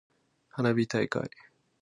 花火大会。